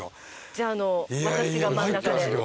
じゃあ私が真ん中で。